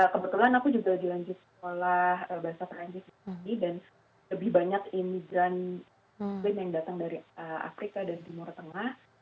kebetulan aku juga dilanjut sekolah bahasa perancis di sini dan lebih banyak imigran muslim yang datang dari afrika dan timur tengah